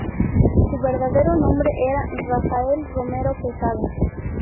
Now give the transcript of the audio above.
Su verdadero nombre era Rafael Romero Quesada.